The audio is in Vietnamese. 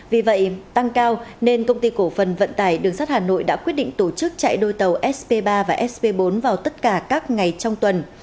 vì vậy tăng cao nên công ty cổ phần vận tải đường sắt hà nội đã quyết định tổ chức chạy đôi tàu sp ba và sp bốn vào tất cả các ngày trong tuần